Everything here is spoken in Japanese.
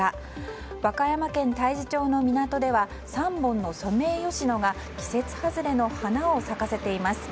和歌山県太地町の港では３本のソメイヨシノが季節外れの花を咲かせています。